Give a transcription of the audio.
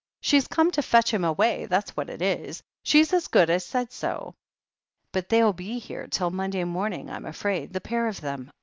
She's come to fetch him away, that's what it is. She as good as said so. But they'll be here till Monday morning, I'm afraid — ^the pair of them.